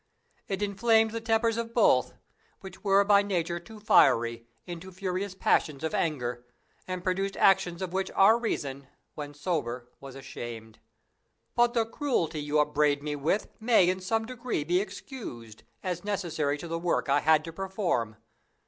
It inflamed the tempers of both, which were by nature too fiery, into furious passions of anger, and produced actions of which our reason, when sober, was ashamed. But the cruelty you upbraid me with may in some degree be excused, as necessary to the work I had to perform.